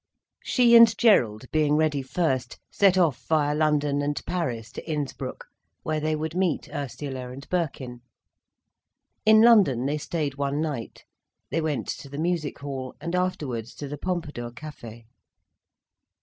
She and Gerald, being ready first, set off via London and Paris to Innsbruck, where they would meet Ursula and Birkin. In London they stayed one night. They went to the music hall, and afterwards to the Pompadour Café.